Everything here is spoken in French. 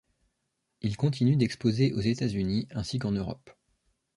Il continue d’exposer aux États-Unis ainsi qu’en Europe.